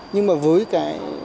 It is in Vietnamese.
nhưng mà với cả